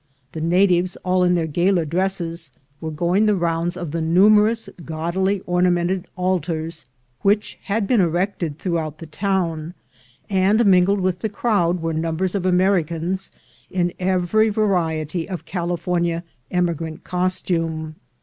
The natives, all in their gala dresses, w^ere going the rounds of the numerous gaudi ly ornamented altars w^hich had been erected through out the town; and mingled with the crowd were numbers of Americans in every variety of California emigrant costume.